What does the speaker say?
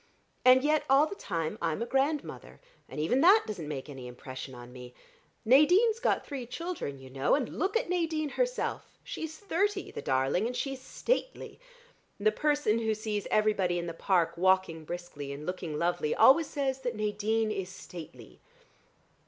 And yet all the time I'm a grandmother, and even that doesn't make any impression on me. Nadine's got three children, you know, and look at Nadine herself. She's thirty, the darling, and she's stately the person who sees everybody in the Park walking briskly and looking lovely, always says that Nadine is stately.